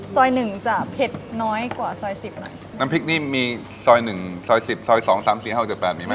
หนึ่งจะเผ็ดน้อยกว่าซอยสิบอ่ะน้ำพริกนี่มีซอยหนึ่งซอยสิบซอยสองสามสี่ห้าเจ็ดแปดมีไหม